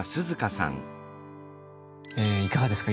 いかがですか？